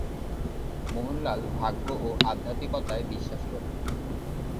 মোহনলাল ভাগ্য ও আধ্যাত্মিকতায় বিশ্বাস করেন।